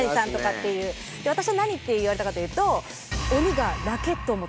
私は何て言われたかというと。